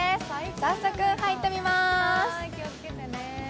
早速、入ってみまーす。